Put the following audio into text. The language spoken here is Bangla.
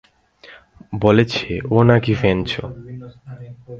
বলেছে ও নাকি ফ্রেঞ্চ।